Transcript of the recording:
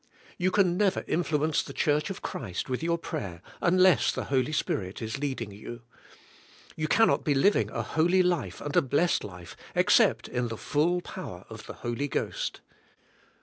You can neyer influence the church of Christ with your prayer unless the Holy Spirit is leading you. You cannot be liying a holy life and a blessed life except in the full power of the Holy Ghost.